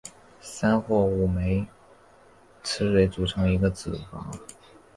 三或五枚雌蕊组成一个子房。